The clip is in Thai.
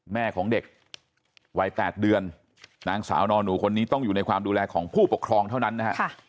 แม่ของเด็กวัย๘เดือนนางสาวนอนหนูคนนี้ต้องอยู่ในความดูแลของผู้ปกครองเท่านั้นนะฮะ